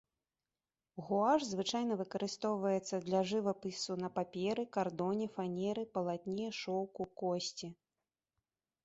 Гуаш звычайна выкарыстоўваецца для жывапісу на паперы, кардоне, фанеры, палатне, шоўку, косці.